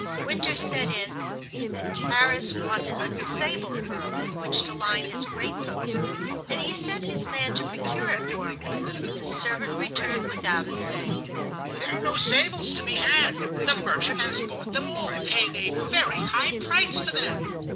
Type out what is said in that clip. Winter set in, and Tarras wanted some sable fur with which to line his great coat, and he sent his man to procure it for him; but the servant returned without it, saying: "There are no sables to be had. The 'merchant' has bought them all, paying a very high price for them."